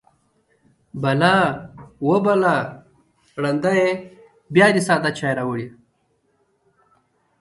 _بلا! وه بلا! ړنده يې! بيا دې ساده چای راوړی.